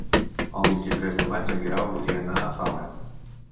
El vint-i-tres de maig en Guerau voldria anar a Faura.